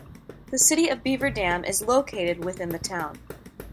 The City of Beaver Dam is located within the town.